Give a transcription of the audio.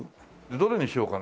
どれにしようかな。